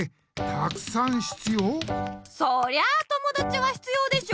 そりゃあ友だちはひつようでしょ。